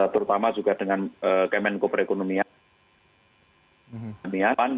terutama juga dengan kemenko perekonomian